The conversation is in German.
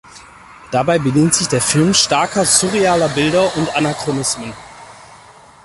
Dabei bedient sich der Film starker surrealer Bilder und Anachronismen.